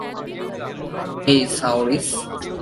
হেই, সাওরিস।